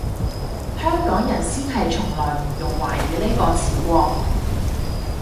香港人先係從來唔用華語呢個詞喎